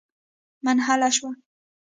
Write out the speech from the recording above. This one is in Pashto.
منحله شوه.